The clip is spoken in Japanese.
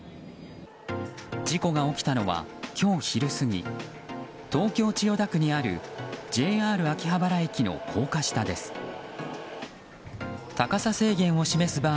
事故が起きたのは今日昼過ぎ東京・千代田区にあるＪＲ秋葉原駅の高架下です。